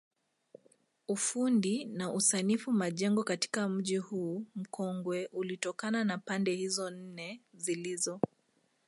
Ufundi na usanifu majengo katika mji huu mkongwe ulitokana na pande hizo nne zilizo